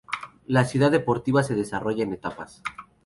La Ciudad Deportiva se desarrollará en etapas.